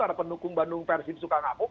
karena pendukung bandung persin suka ngapuk